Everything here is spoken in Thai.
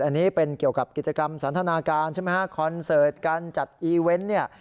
อันนี้เป็นเกี่ยวกับกิจกรรมสันทนาการใช่ไหมฮะคอนเสิร์ตการจัดอีเวนต์เนี่ย